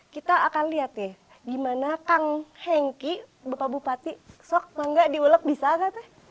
kita akan lihat nih gimana kang hengki bapak bupati sok sama gak diulek bisa gak teh